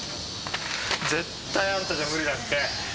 絶対あんたじゃ無理だって。